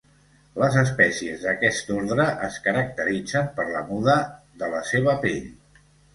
Les espècies d'aquest ordre es caracteritzen per la muda de la seva pell.